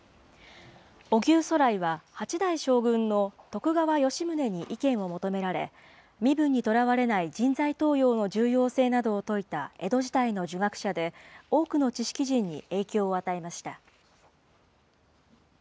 荻生徂徠は、８代将軍の徳川吉宗に意見を求められ、身分にとらわれない人材登用の重要性などを説いた江戸時代の儒学者で、多くの知識人に影響を与えました。